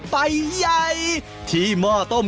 ไปใหญ่ที่โม่ต้ม